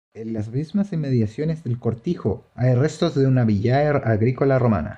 En las mismas inmediaciones del cortijo hay restos de una villae agrícola romana.